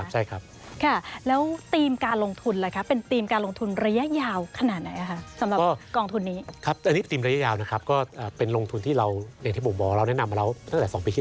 สำหรับกองทุนนี้